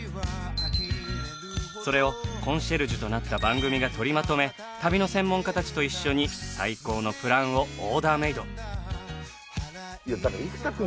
それをコンシェルジュとなった番組が取りまとめ旅の専門家たちと一緒に最高のプランをオーダーメイド。